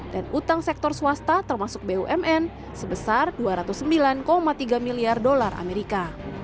dan utang sektor swasta termasuk bumn sebesar dua ratus sembilan tiga miliar dolar amerika